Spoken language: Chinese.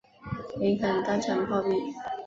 林肯当场暴毙。